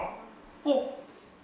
おっ！